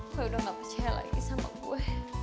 gue udah gak percaya lagi sama gue